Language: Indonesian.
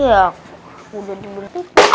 ya udah dibentuk